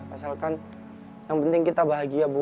asalkan yang penting kita bahagia bu